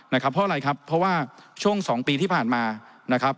เพราะอะไรครับเพราะว่าช่วง๒ปีที่ผ่านมา